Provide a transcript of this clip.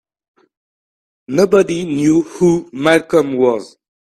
Nobody knew who Malcolm was.